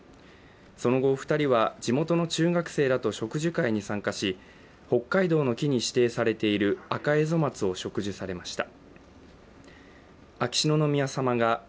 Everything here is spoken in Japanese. その後、お二人は地元の中学生らと植樹会に参加し北海道の木に指定されているアカエゾマツを植樹されました。